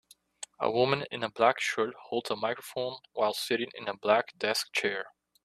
A woman in a black shirt holds a microphone while sitting in a black desk chair.